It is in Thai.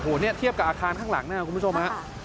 โอ้โหเนี้ยเทียบกับอาคารข้างหลังน่ะคุณผู้ชมฮะค่ะ